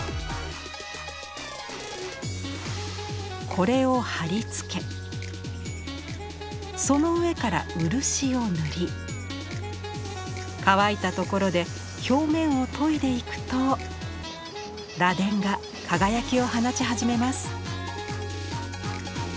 これを貼り付けその上から漆を塗り乾いたところで表面を研いでいくと螺鈿が輝きを放ち始めます。